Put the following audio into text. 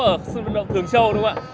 ở sân vận động thường châu